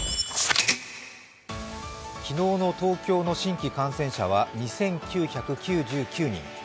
昨日の東京の新規感染者は２９９９人。